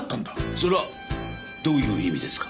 それはどういう意味ですか？